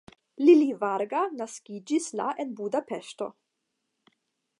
Lili Varga naskiĝis la en Budapeŝto.